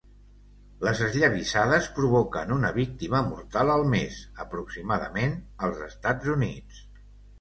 Les esllavissades provoquen una víctima mortal al mes, aproximadament, als Estats Units.